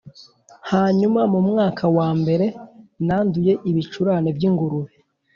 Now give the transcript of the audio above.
Hanyuma mu mwaka wa mbere nanduye ibicurane by’ ingurube